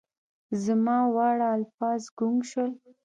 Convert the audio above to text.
زما واړه الفاظ ګونګ شول